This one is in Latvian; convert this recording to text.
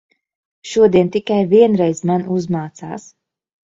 Šodien tikai vienreiz man uzmācās.